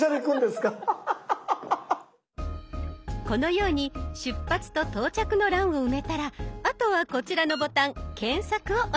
このように出発と到着の欄を埋めたらあとはこちらのボタン「検索」を押します。